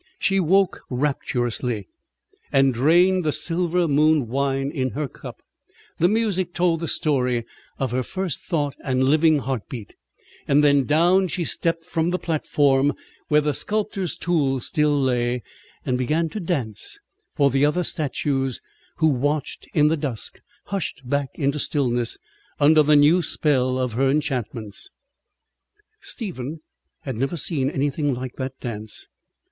She woke rapturously, and drained the silver moon wine in her cup (the music told the story of her first thought and living heart beat): then down she stepped from the platform where the sculptor's tools still lay, and began to dance for the other statues who watched in the dusk, hushed back into stillness under the new spell of her enchantments. Stephen had never seen anything like that dance.